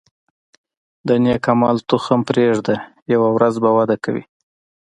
د نیک عمل تخم پرېږده، یوه ورځ به وده کوي.